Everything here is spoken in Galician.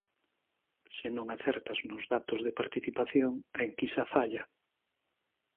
Se non acertas nos datos de participación, a enquisa falla.